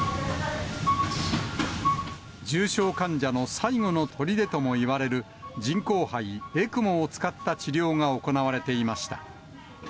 重症患者の最後のとりでともいわれる、人工肺・ＥＣＭＯを使った治療が行われていました。